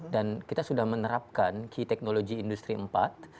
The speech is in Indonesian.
dan kita sudah menerapkan key technology industri empat